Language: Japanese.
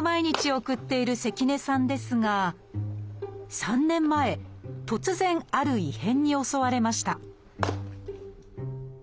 毎日を送っている関根さんですが３年前突然ある異変に襲われました